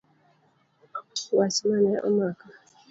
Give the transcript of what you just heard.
Wach mane omaka.